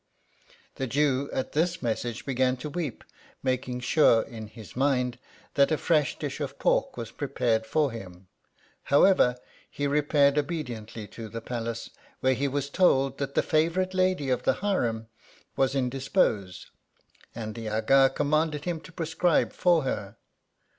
The Jew at this message began to weep, making sure, in his mind, that a fresh dish of pork was prepared for him : however, he repaired obediently to the palace, where he was told, that the favourite lady of the harem was indisposed, and the Aga commanded him to prescribe for her.